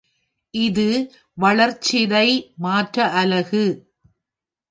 இது வளர்சிதை மாற்ற அலகு.